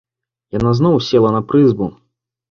Яна зноў села на прызбу.